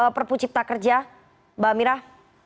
di perpu ciptaker mbak amirah